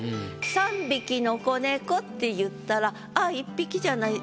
「三匹の仔猫」って言ったらあっ一匹じゃない。